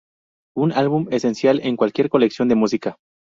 Un álbum esencial en cualquier colección de música.